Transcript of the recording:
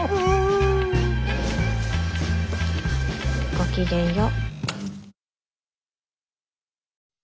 ごきげんよう。